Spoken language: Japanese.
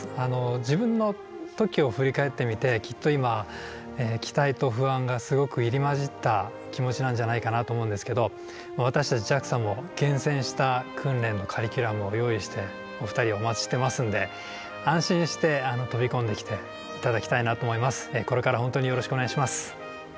自分の時を振り返ってみてきっと今期待と不安がすごく入り交じった気持ちなんじゃないかなと思うんですけど私たちＪＡＸＡも厳選した訓練のカリキュラムを用意してお二人をお待ちしてますのでこれから本当によろしくお願いします。